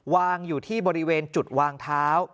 วางอยู่ที่บริเวณจุดวางเท้า